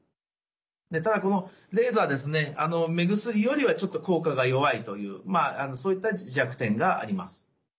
でただこのレーザーですね目薬よりはちょっと効果が弱いというそういった弱点があります。